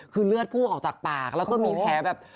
คือเลือดพุ่งออกจากปากแล้วก็มีแผลแบบ